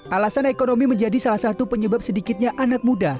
alasan ekonomi menjadi salah satu penyebab sedikitnya anak muda